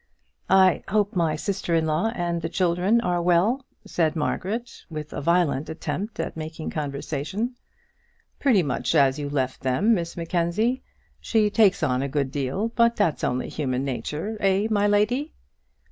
"I hope my sister in law and the children are well," said Margaret, with a violent attempt to make conversation. "Pretty much as you left them, Miss Mackenzie; she takes on a good deal; but that's only human nature; eh, my lady?"